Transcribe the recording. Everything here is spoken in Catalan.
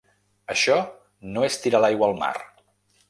Això no és tirar l’aigua al mar.